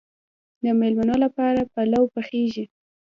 د میلمنو لپاره پلو پخیږي.